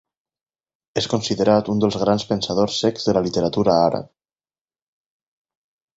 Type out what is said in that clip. És considerat un dels grans pensadors cecs de la literatura àrab.